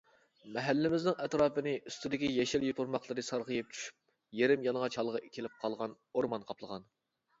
مەھەللىمىزنىڭ ئەتراپنى ئۈستىدىكى يېشىل يوپۇرماقلىرى سارغىيىپ چۈشۈپ يېرىم يالىڭاچ ھالغا كېلىپ قالغان ئورمان قاپلىغان.